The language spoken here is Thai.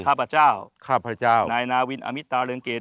ข้าพเจ้าข้าพเจ้านายนาวินอมิตาเรืองเกต